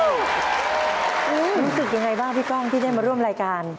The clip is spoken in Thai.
รู้สึกยังไงบ้างพี่ป้องที่ได้มาร่วมรายการ